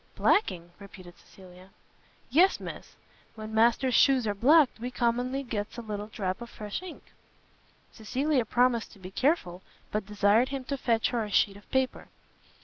"Blacking?" repeated Cecilia. "Yes, Miss; when Master's shoes are blacked, we commonly gets a little drap of fresh ink." Cecilia promised to be careful, but desired him to fetch her a sheet of paper.